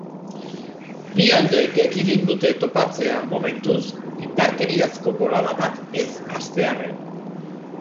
Bi aldeek ekidin dute topatzea, momentuz, indarkeriazko bolada bat ez hastearren.